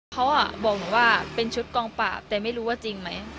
เขาบอกหนูว่าเป็นชุดกองปราบแต่ไม่รู้ว่าจริงไหม